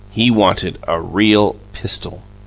He wanted a Real Pistol!